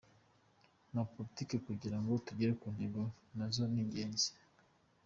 Na politike kugira ngo tugere ku ntego na zo ni ingenzi.